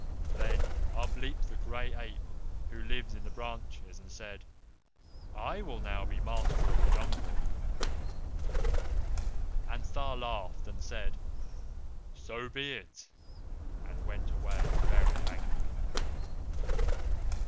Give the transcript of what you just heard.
Then up leaped the Gray Ape who lives in the branches, and said, 'I will now be master of the Jungle.'" At this Tha laughed, and said, "So be it," and went away very angry.